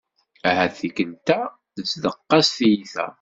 Ahat tikelt-a tezdeq-as tyita.